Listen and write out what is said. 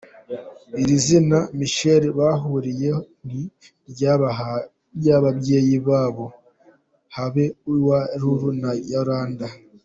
Iri zina Michael bahuriyeho ni iry’ababyeyi babo, haba uwa Lulu na Yolanda.